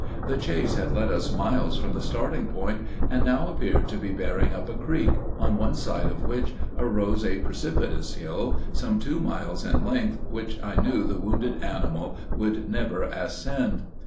The chase had led us miles from the starting point, and now appeared to be bearing up a creek, on one side of which arose a precipitous hill, some two miles in length, which I knew the wounded animal would never ascend.